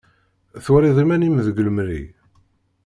Twalaḍ iman-im deg lemri.